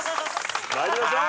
参りましょう！